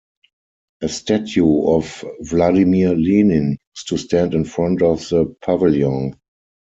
A statue of Vladimir Lenin used to stand in the front of the pavilion.